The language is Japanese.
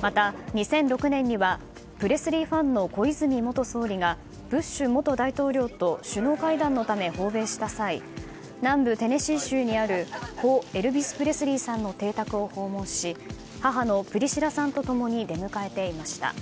また、２００６年にはプレスリーファンの小泉元総理がブッシュ元大統領と首脳会談のため訪米した際南部テネシー州にある故エルヴィス・プレスリーさんの邸宅を訪問し母のプリシラさんと共に出迎えていました。